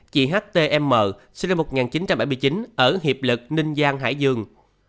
một mươi bốn chị h t m sinh năm một nghìn chín trăm bảy mươi chín ở hiệp lực ninh giang hải dương